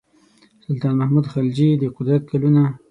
سلطان محمود خلجي د قدرت کلونه.